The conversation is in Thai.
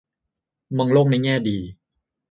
มองโลกในแง่ดี